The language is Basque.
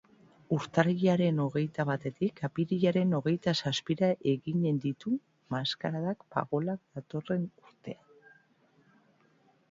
Urtarrilaren hogeita batetik apirilaren hogeita zazpira eginen ditu maskaradak Pagolak datorren urtean.